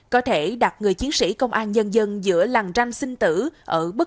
có thể đặt người chiến sĩ công an dân dân giữa làng tranh sinh tử ở bất cứ tình huống nào